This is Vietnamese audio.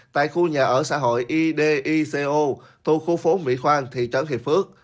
tại khu nhà ở xã hội idico thu khu phố mỹ khoan thị trấn hiệp phước